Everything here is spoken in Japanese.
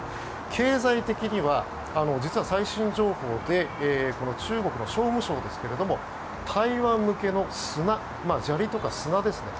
経済的には実は最新情報でこの中国の商務省ですが台湾向けの砂砂利とか砂ですね。